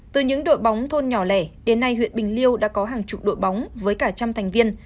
từ những đội bóng thôn nhỏ lẻ đến nay huyện bình liêu đã có hàng chục đội bóng với cả trăm thành viên